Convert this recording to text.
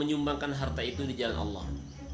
menyumbangkan harta itu di jalan allah